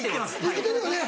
生きてるよね！